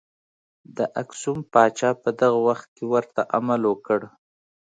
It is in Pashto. د اکسوم پاچا په دغه وخت کې ورته عمل وکړ.